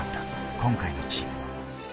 今回のチーム。